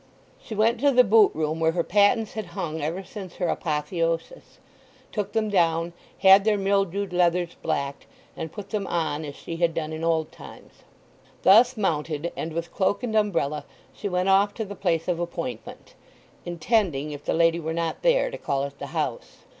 She went to the boot room where her pattens had hung ever since her apotheosis; took them down, had their mildewed leathers blacked, and put them on as she had done in old times. Thus mounted, and with cloak and umbrella, she went off to the place of appointment—intending, if the lady were not there, to call at the house.